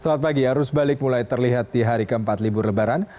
selamat pagi arus balik mulai terlihat di hari keempat libur lebaran